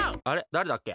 だれだっけ？